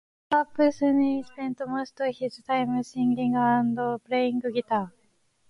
Growing up, Sunjay spent most of his time singing and playing guitar.